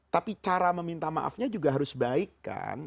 tapi cara meminta maafnya juga harus baik kan